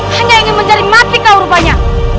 hanya ingin menjadi mati kau rupanya